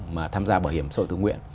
mà tham gia bảo hiểm xã hội thường nguyện